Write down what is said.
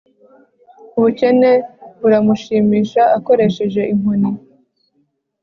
ubukene buramushimisha; akoresheje inkoni ye